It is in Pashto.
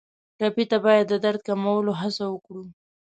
ټپي ته باید د درد کمولو هڅه وکړو.